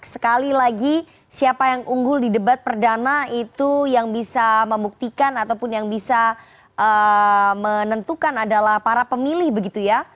sekali lagi siapa yang unggul di debat perdana itu yang bisa membuktikan ataupun yang bisa menentukan adalah para pemilih begitu ya